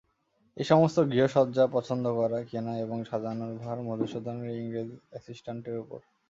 এই-সমস্ত গৃহসজ্জা পছন্দকরা, কেনা এবং সাজানোর ভার মধুসূদনের ইংরেজ অ্যাসিস্টান্টের উপর।